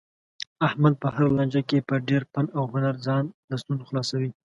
احمد په هره لانجه کې په ډېر فن او هنر ځان له ستونزو خلاصوي.